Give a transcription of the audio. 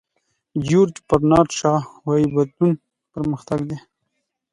جیورج برنارد شاو وایي بدلون پرمختګ دی.